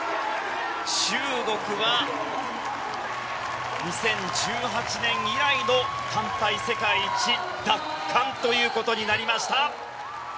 中国は２０１８年以来の団体世界一奪還ということになりました。